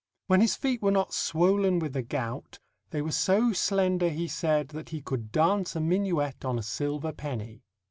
When his feet were not swollen with the gout, they were so slender, he said, that he "could dance a minuet on a silver penny."